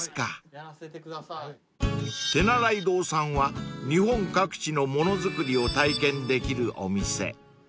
［てならい堂さんは日本各地の物づくりを体験できるお店］